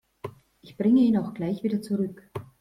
Ich bringe ihn auch gleich wieder zurück.